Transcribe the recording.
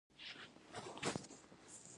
د ګمراه کوونکې طرحې ډېر مثالونه وړاندې کولای شو.